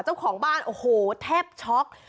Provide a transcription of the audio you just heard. เจ้าของบ้านโอ้โหแทบช็อก